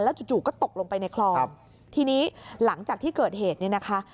จู่ก็ตกลงไปในคลองทีนี้หลังจากที่เกิดเหตุเนี่ยนะคะ